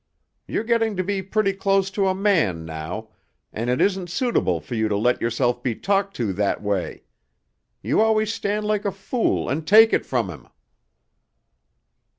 You're getting to be pretty close to a man now, and it isn't suitable for you to let yourself be talked to that way. You always stand like a fool and take it from him."